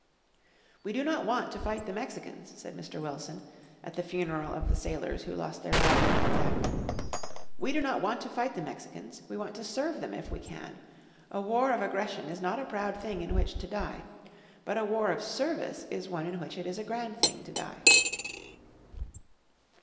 "We do not want to fight the Mexicans," said Mr. Wilson, at the funeral of the sailors who lost their lives in the attack. "We do not want to fight the Mexicans; we want to serve them if we can. A war of aggression is not a proud thing in which to die. But a war of service is one in which it is a grand thing to die."